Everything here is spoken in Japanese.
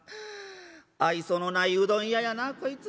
「愛想のないうどん屋やなこいつ。